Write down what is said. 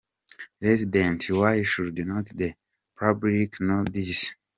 resident, why shouldn’t the public know this?.